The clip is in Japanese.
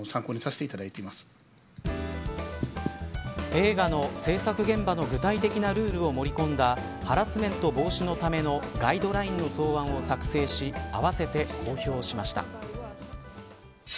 映画の制作現場の具体的なルールを盛り込んだハラスメント防止のためのガイドラインの草案を作成しあわせて公表しました。